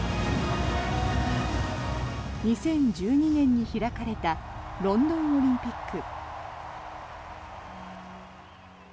２０１２年に開かれたロンドンオリンピック。